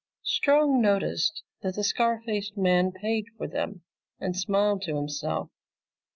Strong noticed that the scar faced man paid for them and smiled to himself.